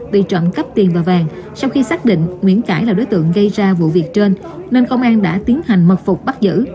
bị trộm cắp tiền và vàng sau khi xác định nguyễn cãi là đối tượng gây ra vụ việc trên nên công an đã tiến hành mật phục bắt giữ